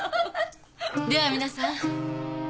では皆さん。